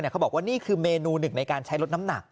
เขาบอกว่านี่คือเมนูหนึ่งในการใช้ลดน้ำหนัก